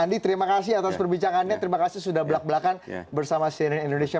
andi terima kasih atas perbincangannya terima kasih sudah belak belakan bersama cnn indonesia